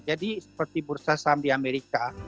jadi seperti bursa saham di amerika